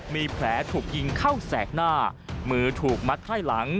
มีแผลถูกยิงเข้าแสกหน้ามือถูกมัดให้หลัง